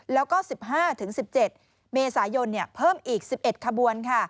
แล้วก็๑๕๑๗เมษายนเพิ่มอีก๑๑ขบวน